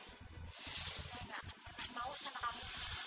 saya gak pernah mau company